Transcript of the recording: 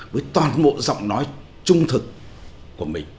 với toàn bộ giọng nói trung thực của mình